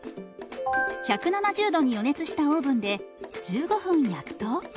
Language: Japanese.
１７０度に予熱したオーブンで１５分焼くと。